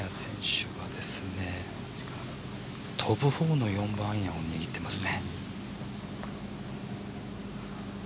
飛ぶ方の４番アイアンを握ってますね。